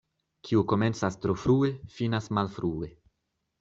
Kiu komencas tro frue, finas malfrue.